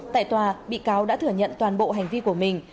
tại tòa bị cáo đã thừa nhận toàn bộ hành vi của mình